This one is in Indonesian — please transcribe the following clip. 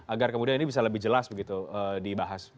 agar kemudian ini bisa lebih jelas begitu dibahas